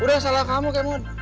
udah salah kamu kemot